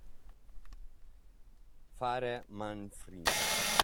Fare manfrine.